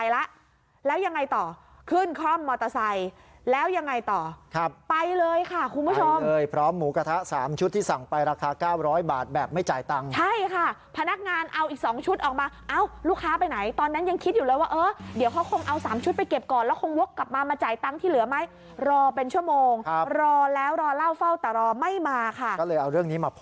แล้วยังไงต่อขึ้นคล่อมมอเตอร์ไซค์แล้วยังไงต่อครับไปเลยค่ะคุณผู้ชมพร้อมหมูกระทะ๓ชุดที่สั่งไปราคา๙๐๐บาทแบบไม่จ่ายตังค์ใช่ค่ะพนักงานเอาอีก๒ชุดออกมาเอ้าลูกค้าไปไหนตอนนั้นยังคิดอยู่แล้วว่าเออเดี๋ยวเขาคงเอา๓ชุดไปเก็บก่อนแล้วคงกลับมามาจ่ายตังค์ที่เหลือไหมรอเป็นชั่วโมงรอ